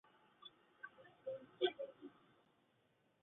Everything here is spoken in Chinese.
北宋著名军事将领。